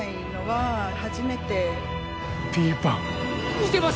似てます